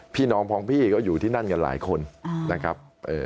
พี่น้องพองพี่ก็อยู่ที่นั่นกันหลายคนนะครับ